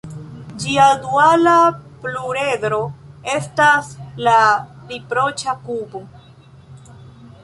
Ĝia duala pluredro estas la riproĉa kubo.